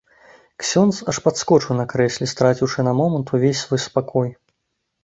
Ксёндз аж падскочыў на крэсле, страціўшы на момант увесь свой спакой.